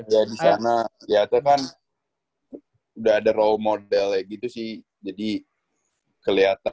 ya disana lihatnya kan udah ada role modelnya gitu sih jadi keliatan